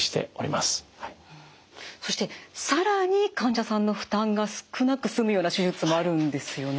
そして更に患者さんの負担が少なく済むような手術もあるんですよね？